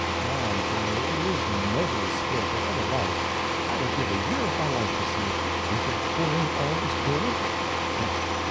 "Ah, Antonio, it is the noblest sport that ever was. I would give a year of my life to see it. Is the bull always killed?" "Yes.